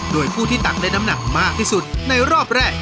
โดยผู้ที่ตักได้น้ำหนักมากที่สุดในรอบแรก